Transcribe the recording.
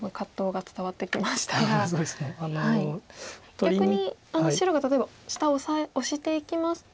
逆に白が例えば下をオシていきますと。